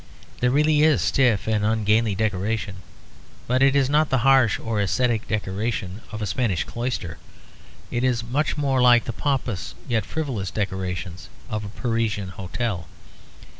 There really is stiff and ungainly decoration, but it is not the harsh or ascetic decoration of a Spanish cloister; it is much more like the pompous yet frivolous decorations of a Parisian hotel.